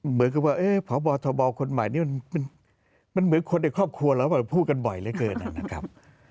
เหมือนกับว่าพบทบคนใหม่นี่มันเหมือนคนในครอบครัวเราพูดกันบ่อยเหลือเกินนะครับ